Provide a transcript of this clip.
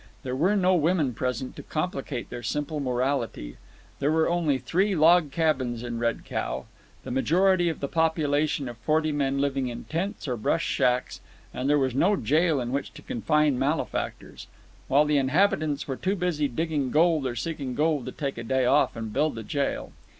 There were no women present to complicate their simple morality. There were only three log cabins in Red Cow—the majority of the population of forty men living in tents or brush shacks; and there was no jail in which to confine malefactors, while the inhabitants were too busy digging gold or seeking gold to take a day off and build a jail.